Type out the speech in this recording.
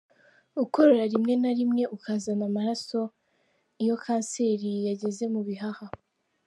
Gukorora rimwe na rimwe ukazana amaraso iyo kanseri yageze mu bihaha.